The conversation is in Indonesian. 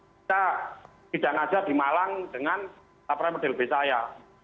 kita tidak saja di malang dengan laporan model b saya